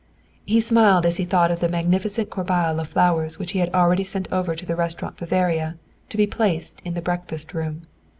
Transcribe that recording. He smiled as he thought of the magnificent corbeille of flowers which he had already sent over to the Restaurant Bavaria to be placed in the breakfast room.